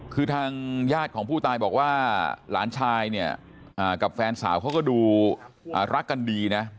คือทางญาติของผู้ตายบอกว่าหลานชายเนี่ยกับแฟนสาวเขาก็ดูรักกันดีนะ